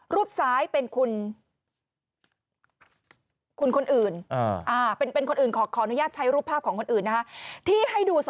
รูปซ้ายเป็นคุณคนอื่นขออนุญาตใช้รูปภาพของคนอื่นนะที่ให้ดู